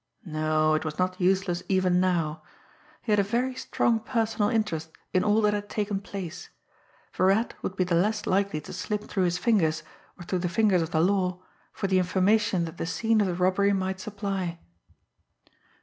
No; it was not useless even now. He had a very strong personal interest in all that had taken place Virat would be the less likely to slip through his fingers, or through the fingers of the law, for the information that the scene of the robbery might supply!